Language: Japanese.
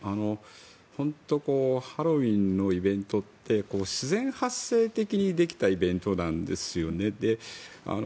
ハロウィーンのイベントって自然発生的にできたイベントなんですよね。